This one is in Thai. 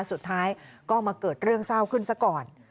สุดท้ายก็มาเกิดเรื่องเศร้าขึ้นซะก่อน